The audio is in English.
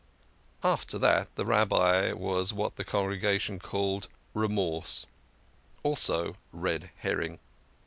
After that the Rabbi was what the congregation called Remorse ; also Red herring.